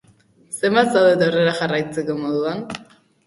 Zenbat zaudete aurrera jarraitzeko moduan?